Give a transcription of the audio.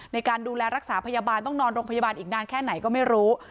ในการดูแลรักษาพยาบาลต้องนอนโรงพยาบาลอีกนานแค่ไหนก็ไม่รู้